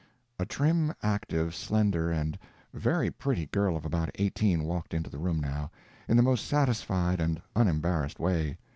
A trim, active, slender and very pretty girl of about eighteen walked into the room now, in the most satisfied and unembarrassed way.